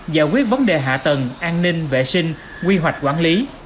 giải quyết vấn đề hạ tầng an ninh vệ sinh quy hoạch quản lý